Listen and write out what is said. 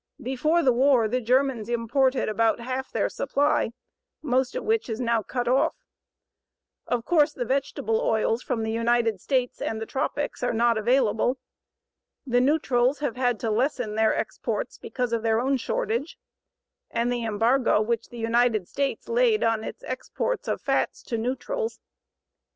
Before the war the Germans imported about half their supply, most of which is now cut off. Of course, the vegetable oils from the United States and the tropics are not available. The neutrals have had to lessen their exports because of their own shortage, and the embargo which the United States laid on its exports of fats to neutrals.